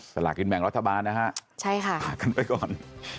สลากินแบ่งรัฐบาลนะฮะใช่ค่ะกันไปก่อน